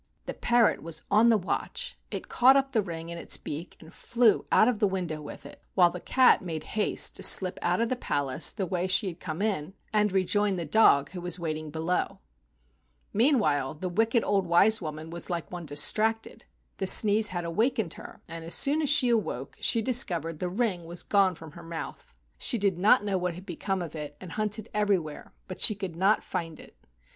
The parrot was on the watch; it caught up the ring in its beak and flew out of the win¬ dow with it, while the cat made haste to slip out of the palace the way she had come in and rejoin the dog, who was waiting below. Meanwhile the wicked old wise woman was like one distracted. The sneeze had awakened her, and as soon as she awoke she discovered the ring was gone from her mouth. She did 57 THE WONDERFUL RING not know what had become of it and hunted everywhere, but she could not find it.